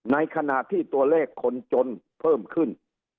ในขณะที่ตัวเลขคนจนเพิ่มขึ้น